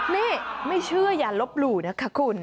นี่ไม่เชื่ออย่าลบหลู่นะคะคุณ